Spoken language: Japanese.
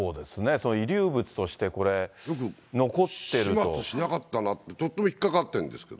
そういう遺留物としてこれ、始末しなかったねって、とっても引っ掛かってるんですけど。